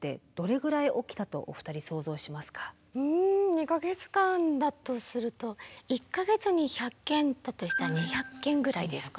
２か月間だとすると１か月に１００件だとしたら２００件ぐらいですかね。